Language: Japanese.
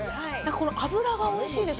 この脂がおいしいです。